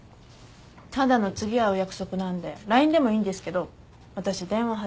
ただの次会う約束なんでＬＩＮＥでもいいんですけど私電話派で。